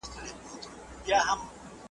موږ په کرښه رسم کوو.